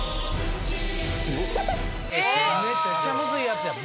⁉めっちゃむずいやつや。